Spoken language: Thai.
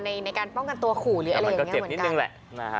ในการป้องกันตัวขู่มันก็เจ็บนิดนึงแหละ